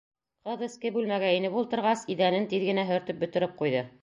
Ҡыҙ эске бүлмәгә инеп ултырғас, иҙәнен тиҙ генә һөртөп бөтөрөп ҡуйҙы.